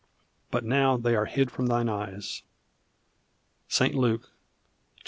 but now they are hid from thine eyes_ (St. Luke 19:42).